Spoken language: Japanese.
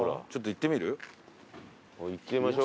行ってみましょう。